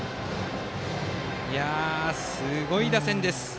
すごい打線です。